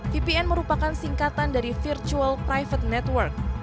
vpn merupakan singkatan dari virtual private network